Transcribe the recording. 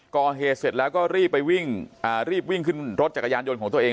ก่อเฮอส์เสร็จแล้วก็รีบวิ่งขึ้นรถจักรยานยนต์ของตัวเอง